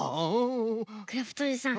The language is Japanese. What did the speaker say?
クラフトおじさん